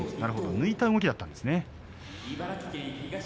抜いた動きだったんですね。